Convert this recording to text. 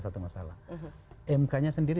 satu masalah mk nya sendiri